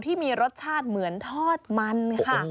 ที่มีรสชาติเหมือนทอดมันค่ะ